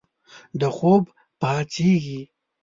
د خوب پاڅیږې